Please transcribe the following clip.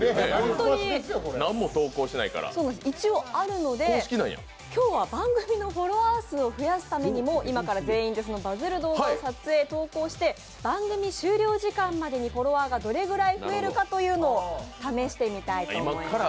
一応あるので今日は番組のフォロワー数を増やすためにも今から全員でバズる動画を撮影・投稿して番組終了時間までにフォロワーがどれぐらい増えるかというのを試してみたいと思います。